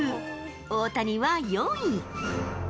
大谷は４位。